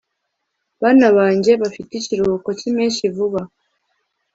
bana banjye bafite ikiruhuko cyimpeshyi vuba